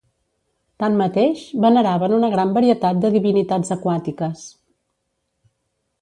Tanmateix, veneraven una gran varietat de divinitats aquàtiques.